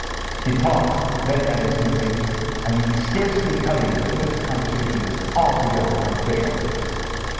He paused, then added smoothly: "I need scarcely tell you that this conversation is altogether unofficial."